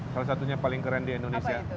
salah satunya paling keren di indonesia